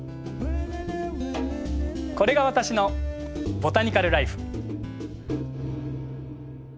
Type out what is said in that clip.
これが私のボタニカル・らいふ。